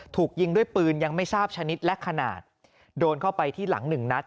ถูกยิงด้วยปืนยังไม่ทราบชนิดและขนาดโดนเข้าไปที่หลังหนึ่งนัด